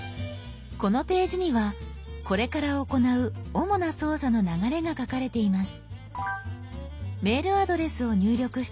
このページにはこれから行う主な操作の流れが書かれています。